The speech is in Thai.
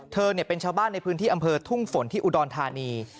เธอเป็นชาวบ้านในพื้นที่อำเภอทุ่งฝนที่อุดรธานี